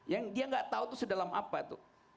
yang dia gak tahu tuh sedalam apa tuh